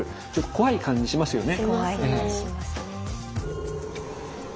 怖い感じしますね。